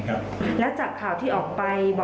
คาดว่าจะเป็นรถแท็กซี่